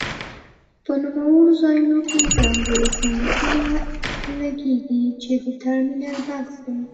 په نوموړو ځایونو کې ځانګړي صندوقونه لګېږي چې د ټرمینل بکس دی.